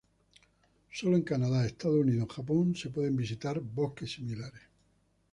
Solo en Canadá, Estados Unidos o Japón se pueden visitar bosques similares.